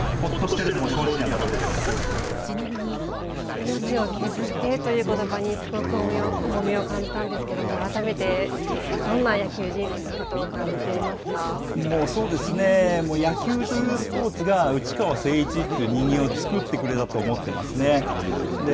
命を削ってということばに、すごく重みを感じたんですけれども、改めて、どんな野球人生だったと野球というスポーツが、内川聖一という人間を作ってくれたと思っていますね。